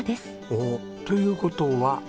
おっという事は。